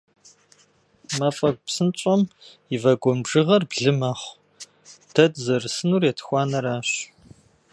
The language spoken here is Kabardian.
Мафӏэгу псынщӏэм и вагон бжьыгъэр блы мэхъу, дэ дызэрысынур етхуанэращ.